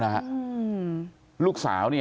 ความปลอดภัยของนายอภิรักษ์และครอบครัวด้วยซ้ำ